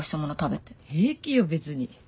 平気よ別に。